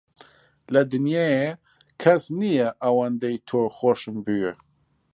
لە دنیایێ کەس نییە ئەوەندەی توو خۆشم بوێ.